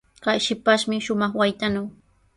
Kay shipashmi shumaq waytanaw.